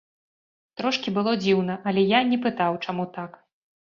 Трошкі было дзіўна, але я не пытаў, чаму так.